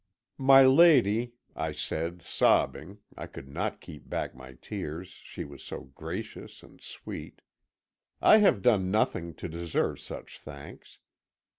"'My lady,' I said sobbing; I could not keep back my tears, she was so gracious and sweet. 'I have done nothing to deserve such thanks.